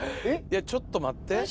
いやいやちょっと待って。